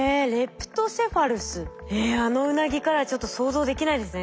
えあのウナギからはちょっと想像できないですね